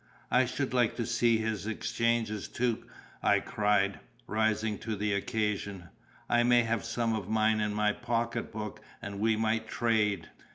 "I should like to see his exchanges too," I cried, rising to the occasion. "I may have some of mine in my pocket book and we might trade."